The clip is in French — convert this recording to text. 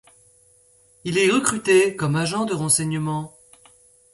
Il est recruté comme agent de renseignement.